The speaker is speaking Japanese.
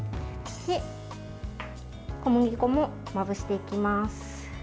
小麦粉もまぶしていきます。